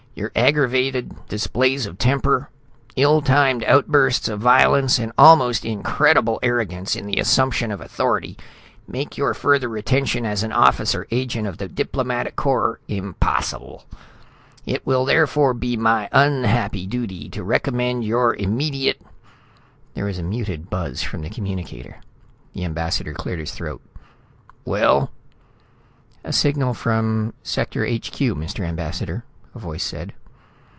Your aggravated displays of temper, ill timed outbursts of violence and almost incredible arrogance in the assumption of authority make your further retention as an officer agent of the Diplomatic Corps impossible. It will therefore be my unhappy duty to recommend your immediate " There was a muted buzz from the communicator. The ambassador cleared his throat. "Well?" "A signal from Sector HQ, Mr. Ambassador," a voice said.